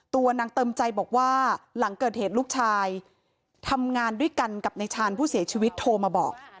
ตัวนางเติมใจบอกว่าหลังเกิดเหตุลูกชายทำงานด้วยกันกับในชาญผู้เสียชีวิตโทรมาบอก